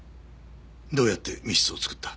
どうやって密室を作った？